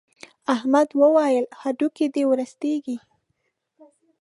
احمد وويل: هډوکي دې ورستېږي.